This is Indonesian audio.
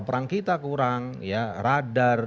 perang kita kurang ya radar